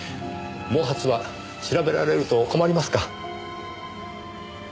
毛髪は調べられると困りますか？